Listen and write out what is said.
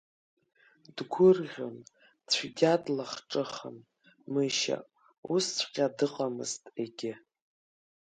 Дгәырӷьон, цәгьа длахҿыхын Мышьа, усҵәҟьа дыҟамызт егьи.